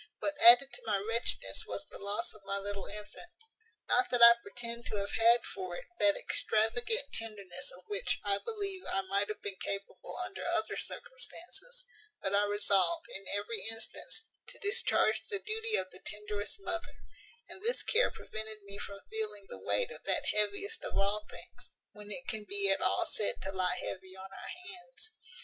What added to my wretchedness was the loss of my little infant: not that I pretend to have had for it that extravagant tenderness of which I believe I might have been capable under other circumstances; but I resolved, in every instance, to discharge the duty of the tenderest mother; and this care prevented me from feeling the weight of that heaviest of all things, when it can be at all said to lie heavy on our hands.